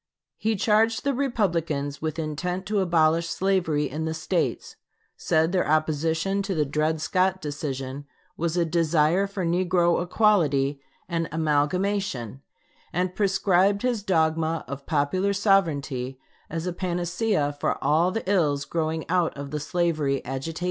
He charged the Republicans with intent to abolish slavery in the States; said their opposition to the Dred Scott decision was a desire for negro equality and amalgamation; and prescribed his dogma of popular sovereignty as a panacea for all the ills growing out of the slavery agitation.